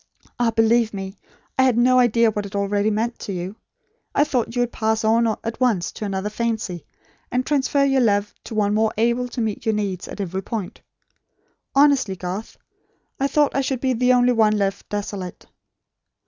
Ah, believe me, I had no idea what it already meant to you. I thought you would pass on at once to another fancy; and transfer your love to one more able to meet your needs, at every point. Honestly, Garth, I thought I should be the only one left desolate.